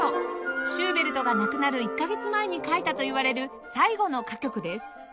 シューベルトが亡くなる１カ月前に書いたといわれる最後の歌曲です